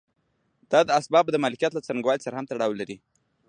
دا د اسبابو د مالکیت له څرنګوالي سره هم تړاو لري.